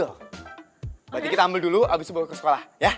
berarti kita ambil dulu abis itu baru ke sekolah